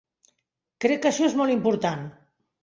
Crec que això és molt important.